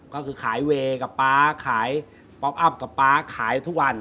ก็คือขายเวย์กับป๊าขายป๊อปอัพกับป๊าขายทุกวัน